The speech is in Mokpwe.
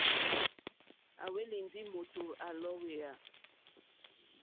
À hwélì ndí mòtò à lɔ̀ɔ́hwèyà.